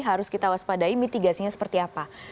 harus kita waspadai mitigasinya seperti apa